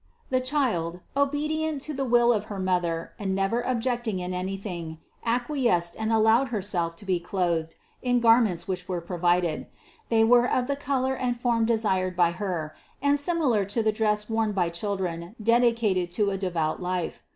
402. The Child obedient to the will of her mother and never objecting in anything, acquiesced and allowed Her self to be clothed in the garments which were provided. They were of the color and form desired by Her, and similar to the dress worn by children dedicated to a de vout life.